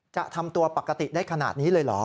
จะทำตัวปกติได้ขนาดนี้เลยเหรอ